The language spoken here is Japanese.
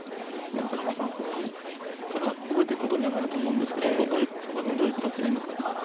やっぱり３筋から動いていくことにはなると思うんですけどちょっとその時にどういう形がいいのか結構。